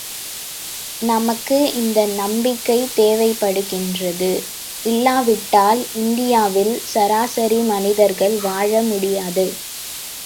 நமக்கு இந்த நம்பிக்கை தேவைப்படுகின்றது, இல்லாவிட்டால் இந்தியாவில் சராசரி மனிதர்கள் வாழ முடியாது.